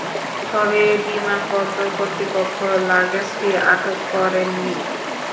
তবে বিমানবন্দর কর্তৃপক্ষ লাগেজটি আটক করেননি।